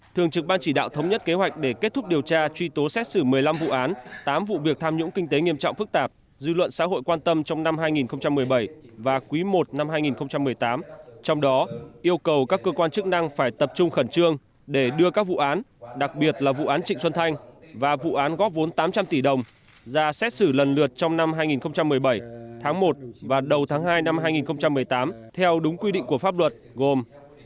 thường trực ban chỉ đạo thống nhất kế hoạch để kết thúc điều tra truy tố xét xử một mươi năm vụ án tám vụ việc tham nhũng kinh tế nghiêm trọng phức tạp dư luận xã hội quan tâm trong năm hai nghìn một mươi bảy và quý i năm hai nghìn một mươi tám trong đó yêu cầu các cơ quan chức năng phải tập trung khẩn trương để đưa các vụ án đặc biệt là vụ án trịnh xuân thanh và vụ án góp vốn tám trăm linh tỷ đồng ra xét xử lần lượt trong năm hai nghìn một mươi bảy tháng một và đầu tháng hai năm hai nghìn một mươi tám theo đúng quy định của pháp luật gồm